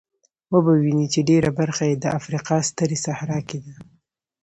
وبه وینئ چې ډېره برخه یې د افریقا سترې صحرا کې ده.